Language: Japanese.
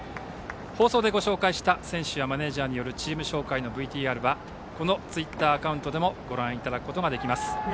放送でご紹介した選手やマネージャーによるチーム紹介のＶＴＲはこのツイッターアカウントでもご覧いただけます。